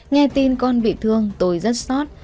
nghe tin con bị thương tôi rất xót